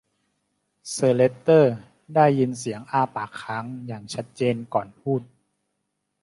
เซอร์เลสเตอร์ได้ยินเสียงอ้าปากค้างอย่างชัดเจนก่อนพูด